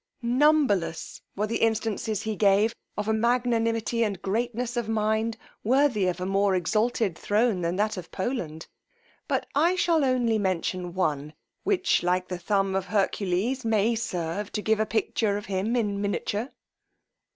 Numberless were the instances he gave of a magnanimity and greatness of mind worthy of a more exalted throne than that of Poland; but I shall only mention one, which, like the thumb of Hercules, may serve to give a picture of him in miniature.